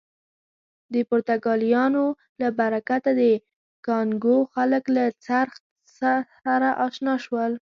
د پرتګالیانو له برکته د کانګو خلک له څرخ سره اشنا شول.